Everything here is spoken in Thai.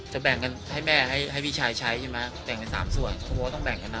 แบ่งกันให้แม่ให้ให้พี่ชายใช้ใช่ไหมแบ่งกันสามส่วนเขาบอกว่าต้องแบ่งกันนะ